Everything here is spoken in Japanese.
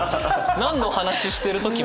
何の話してる時も。